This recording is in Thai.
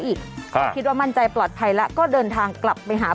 อีกครับคิดว่ามั่นใจปลอดภัยแล้วก็เดินทางกลับไปหา